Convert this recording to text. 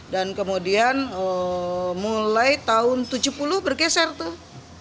dan kemudian mulai tahun seribu sembilan ratus tujuh puluh bergeser tuh